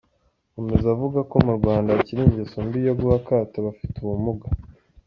Akomeza avuga ko mu Rwanda hakiri ingeso mbi yo guha akato abafite ubumuga.